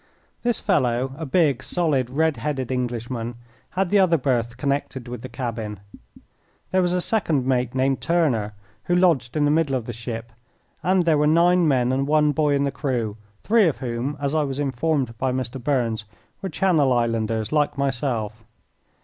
This fellow, a big, solid, red headed Englishman, had the other berth connected with the cabin. There was a second mate named Turner, who lodged in the middle of the ship, and there were nine men and one boy in the crew, three of whom, as I was informed by Mr. Burns, were Channel Islanders like myself.